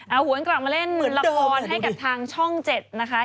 เอาหวนกลับมาเล่นมือละครให้กับทางช่อง๗นะคะ